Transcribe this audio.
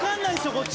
こっち。